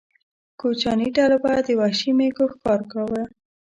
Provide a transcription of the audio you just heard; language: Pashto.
کوچیاني ډلو به د وحشي مېږو ښکار کاوه.